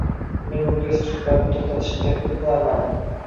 men unga suhbatni to‘xtatishni taklif qilamanmi?